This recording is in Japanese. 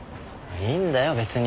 いいんだよ別に。